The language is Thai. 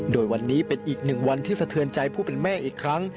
โดยวันนี้เป็นอีกหนึ่งวันที่สะเทือนใจผู้เป็นแม่อีกครั้ง